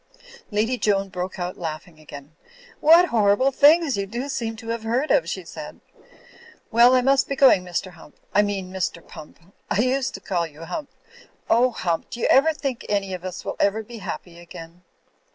Lady Joan broke out laughing again. "What hor rible things you do seem to have heard of," she said. "Well, I must be going, Mr. Hump — I mean Mr. Pump^I used to call you Hump ... oh, Hump, do you think any of us will ever be happy again?"